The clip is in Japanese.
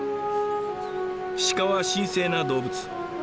鹿は神聖な動物。